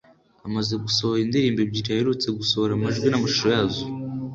Amaze gusohora indirimbo ebyiri aherutse gusohora amajwi n’amashusho yazo